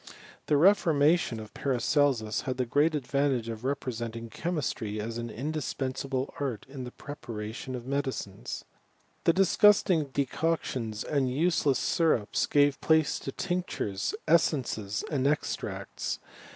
The reformation of Paracelsus had the great advan tage of representing chemistry as an indispensable art in the preparation of medicines. The disgusting de coctions and useless syrups gave place to tinctures, essences, and extracts.